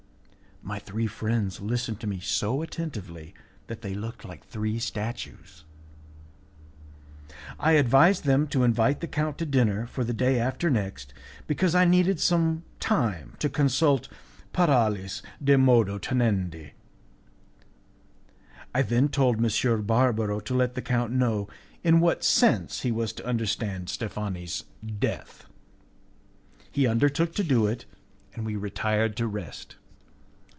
My three friends listened to me so attentively that they looked like three statues. I advised them to invite the count to dinner for the day after next, because I needed some time to consult 'Paralis de modo tenendi'. I then told M. Barbaro to let the count know in what sense he was to understand Steffani's death. He undertook to do it, and we retired to rest.